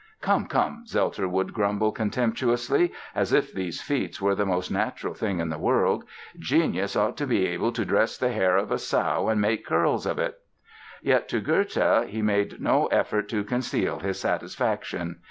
"Come, come", Zelter would grumble contemptuously, as if these feats were the most natural thing in the world, "genius ought to be able to dress the hair of a sow and make curls of it!" Yet to Goethe he made no effort to conceal his satisfaction.